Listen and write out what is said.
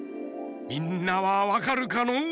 みんなはわかるかのう？